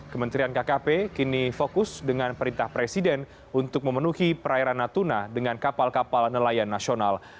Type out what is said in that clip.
kementerian kkp kini fokus dengan perintah presiden untuk memenuhi perairan natuna dengan kapal kapal nelayan nasional